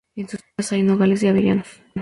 En sus tierras hay nogales y avellanos.